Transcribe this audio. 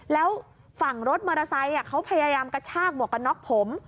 แล้วฝั่งรถมอเตอร์ไซค์เขาพยายามกระชากหมวกกันน็อกผม